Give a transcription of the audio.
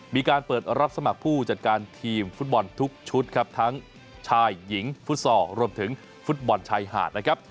มีการเปิดรับสมัครผู้จัดการทีมฟุตบอลทุกชุดครับทั้งชายหญิงฟุตซอลรวมถึงฟุตบอลชายหาดนะครับ